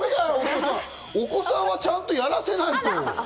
お子さんはちゃんとやらせないと！